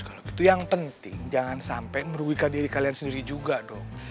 kalau itu yang penting jangan sampai merugikan diri kalian sendiri juga dong